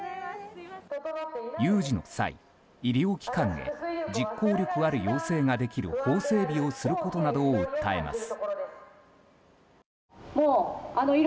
有事の際、医療機関へ実効力ある要請ができる法整備をすることなどを訴えます。